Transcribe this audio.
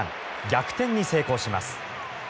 逆転に成功します。